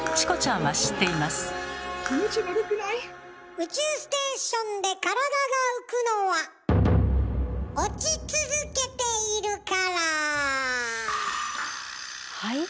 宇宙ステーションで体が浮くのは落ち続けているから。